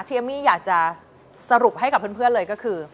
เอมมี่อยากจะสรุปให้กับเพื่อนเลยก็คือ